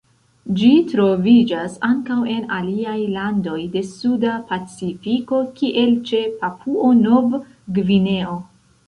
Ĝi troviĝas ankaŭ en aliaj landoj de Suda Pacifiko, kiel ĉe Papuo-Nov-Gvineo.